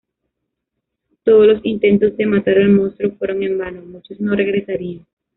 Todos los intentos de matar al monstruo fueron en vano, muchos no regresarían.